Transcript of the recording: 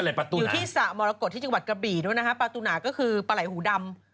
ประตูอยู่ที่สระมรกฏที่จังหวัดกระบี่ด้วยนะฮะปลาตูหนาก็คือปลาไหลหูดำ